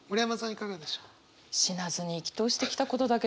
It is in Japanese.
いかがでしょう？